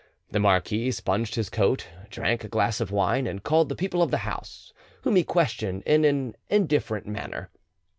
The marquis sponged his coat, drank a glass of wine, and called the people of the house, whom he questioned in an indifferent manner.